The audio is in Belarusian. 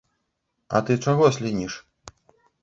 А ты чаго слініш?